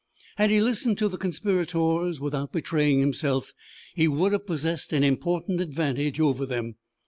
Had he listened to the conspirators without betraying himself he would have possessed an important advantage over them.